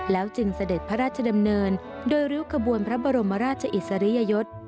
จึงเสด็จพระราชดำเนินโดยริ้วขบวนพระบรมราชอิสริยยศ